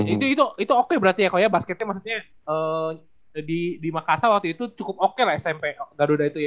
itu itu itu oke berarti ya kayak basketnya di di makassar waktu itu cukup oke smp garuda itu ya